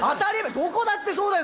どこだってそうだよ。